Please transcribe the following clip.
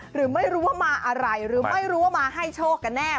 หรือไม่รู้ว่ามาอะไรหรือไม่รู้ว่ามาให้โชคกันแน่